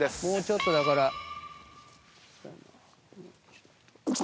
もうちょっとだから。